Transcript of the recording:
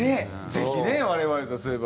ぜひね我々とすれば。